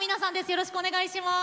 よろしくお願いします。